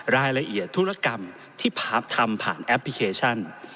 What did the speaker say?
รายละเอียดธุรกรรมที่พาร์ททำผ่านแอปพลิเคชัน